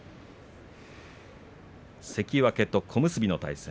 関脇と小結の対戦。